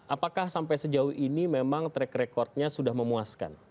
apakah sampai sejauh ini memang track recordnya sudah memuaskan